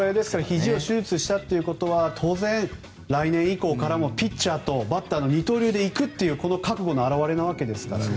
ひじを手術したということは当然、来年以降からもピッチャーとバッターの二刀流でいくという覚悟の表れなわけですからね。